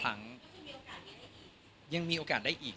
เช่งค่ายังมีโอกาสได้อีก